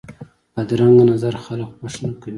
بدرنګه نظر خلک خوښ نه کوي